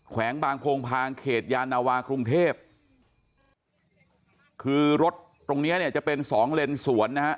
แวงบางโพงพางเขตยานาวากรุงเทพคือรถตรงเนี้ยเนี่ยจะเป็นสองเลนสวนนะฮะ